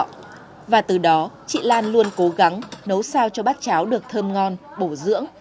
trong đó chị lan luôn cố gắng nấu sao cho bát cháo được thơm ngon bổ dưỡng